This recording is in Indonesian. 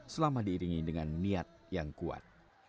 selama diiringi dengan niat yang kuat